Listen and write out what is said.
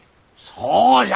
そうじゃ。